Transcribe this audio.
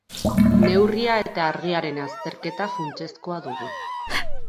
Neurria eta argiaren azterketa funtsezkoa dugu.